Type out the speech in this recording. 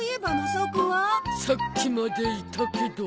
さっきまでいたけど。